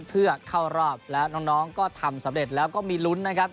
เพื่อเข้ารอบแล้วน้องก็ทำสำเร็จแล้วก็มีลุ้นนะครับ